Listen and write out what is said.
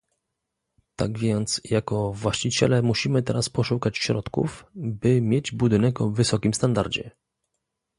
Tak więc jako właściciele musimy teraz poszukać środków, by mieć budynek o wysokim standardzie